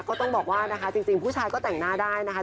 ก็ต้องบอกว่านะคะจริงผู้ชายก็แต่งหน้าได้นะคะ